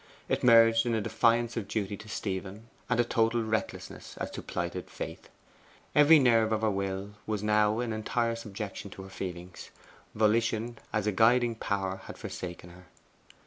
It merged in a defiance of duty to Stephen, and a total recklessness as to plighted faith. Every nerve of her will was now in entire subjection to her feeling volition as a guiding power had forsaken her.